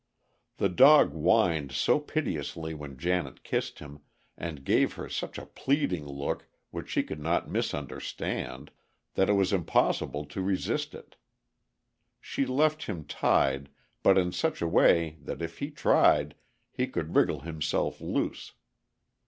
The dog whined so piteously when Janet kissed him, and gave her such a pleading look which she could not misunderstand, that it was impossible to resist it. She left him tied, but in such a way that if he tried he could wriggle himself loose.